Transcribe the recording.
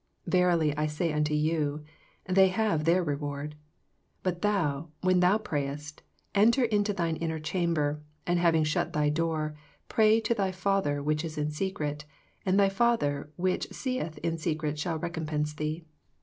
Verily I say unto you, They have their reward. But thou, when thou prayest, enter into thine inner chamber, and having shut thy door, pray to thy Father which is in secret, and thy Father which seeth in secret shall recompense thee.